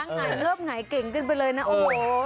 หงายเลิบหงายเก่งขึ้นไปเลยนะโอ้โห